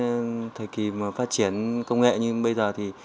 cái thời kỳ mà phát triển công nghệ như bây giờ thì